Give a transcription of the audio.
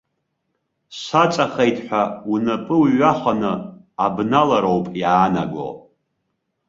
Саҵахеит ҳәа, унапы уҩаханы, абналароуп иаанаго.